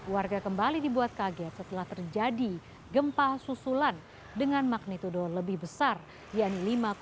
warga kembali dibuat kaget setelah terjadi gempa susulan dengan magnitudo lebih besar yaitu lima tujuh